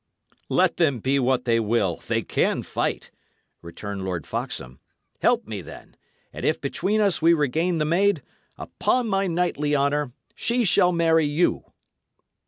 "Let them be what they will, they can fight," returned Lord Foxham. "Help me, then; and if between us we regain the maid, upon my knightly honour, she shall marry you!"